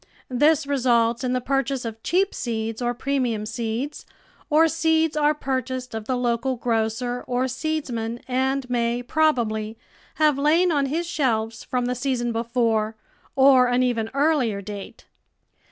This results in the purchase of cheap seeds or premium seeds, or seeds are purchased of the local grocer or seedsman and may, probably, have lain on his shelves from the season before or an even earlier date.